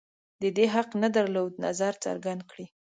د دې حق نه درلود نظر څرګند کړي